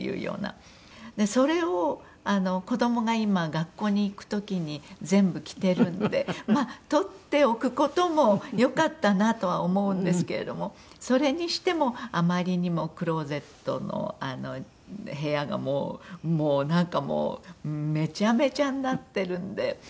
それを子どもが今学校に行く時に全部着てるんでまあ取っておく事もよかったなとは思うんですけれどもそれにしてもあまりにもクローゼットの部屋がもうなんかもうめちゃめちゃになってるんで。